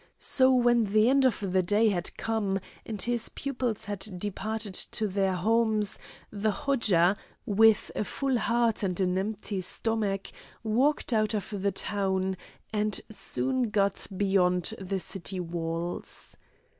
So when the end of the day had come, and his pupils had departed to their homes, the Hodja, with a full heart and an empty stomach, walked out of the town, and soon got beyond the city walls.